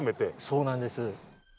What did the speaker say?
そうなんです。